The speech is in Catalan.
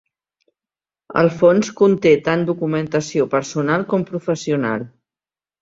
El fons conté tant documentació personal com professional.